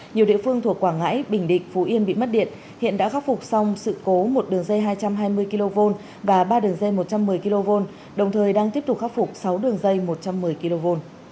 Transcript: nhiều địa phương thuộc quảng ngãi bình định phú yên bị mất điện hiện đã khắc phục xong sự cố một đường dây hai trăm hai mươi kv và ba đường dây một trăm một mươi kv đồng thời đang tiếp tục khắc phục sáu đường dây một trăm một mươi kv